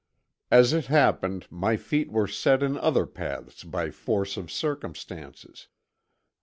As it happened, my feet were set in other paths by force of circumstances.